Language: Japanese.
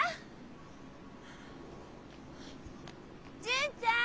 純ちゃん！